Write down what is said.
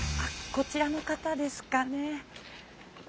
こちらの方ですかね。